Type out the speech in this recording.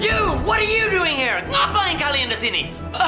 you what are you doing here ngapain kalian di sini